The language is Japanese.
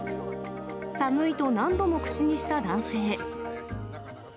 寒いと何度も口にした男性。